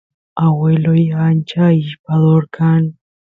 agueloy ancha ishpador kan